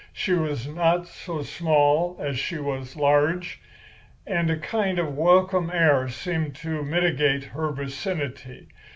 She was not so small as she was large; and a kind of welcome air seemed to mitigate her vicinity.